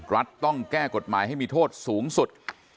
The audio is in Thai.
รัฐต้องแก้กฎหมายให้มีโทษสูงสุด